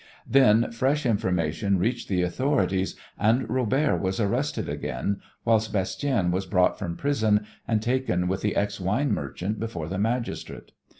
Then fresh information reached the authorities and Robert was arrested again, whilst Bastien was brought from prison and taken with the ex wine merchant before the magistrate.